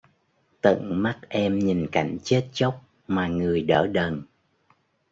Tận mắt em nhìn cảnh chết chóc mà người đỡ đần